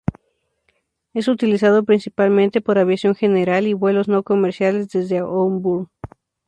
Es utilizado principalmente por aviación general y vuelos no comerciales desde Auburn.